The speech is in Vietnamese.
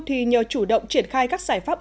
thì nhờ chủ động triển khai các giải pháp